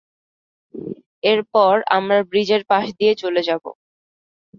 এরপর আমরা ব্রীজের পাশ দিয়ে চলে যাবো।